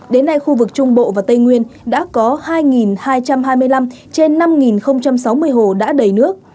đến nay khu vực trung bộ và tây nguyên đã có hai hai trăm hai mươi năm trên năm sáu mươi hồ đã đầy nước